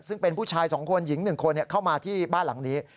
ซึ่งเป็นผู้ชาย๒คนหญิง๑คนเข้ามาที่บ้านหลังนี้